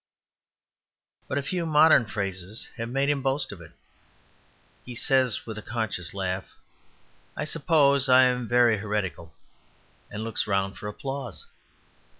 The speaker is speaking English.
But a few modern phrases have made him boast of it. He says, with a conscious laugh, "I suppose I am very heretical," and looks round for applause.